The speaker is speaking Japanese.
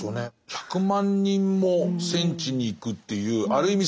１００万人も戦地に行くっていうある意味